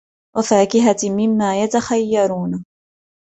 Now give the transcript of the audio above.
وَفَاكِهَةٍ مِّمَّا يَتَخَيَّرُونَ